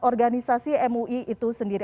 organisasi mui itu sendiri